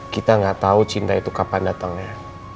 kita gak tau cinta itu kapan datangnya